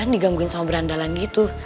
digangguin sama berandalan gitu